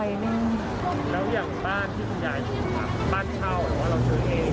แล้วอย่างบ้านที่คุณยายอยู่ครับบ้านเช่าหรือว่าเราซื้อเอง